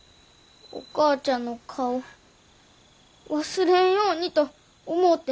お母ちゃんの顔忘れんようにと思うて。